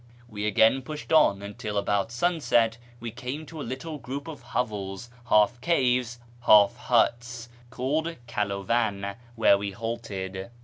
we again pushed on, until, about sunset, we came to a little group of hovels, half caves, half huts, called Kalovau, where we halted.